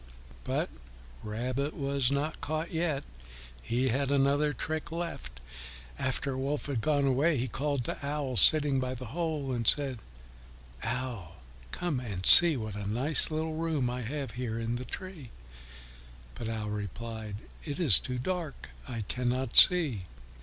But Rabbit was not caught yet; he had another trick left. After Wolf had gone away, he called to Owl sitting by the hole, and said, "Owl, come and see what a nice little room I have here in the tree." But Owl replied, "It is too dark, I cannot see."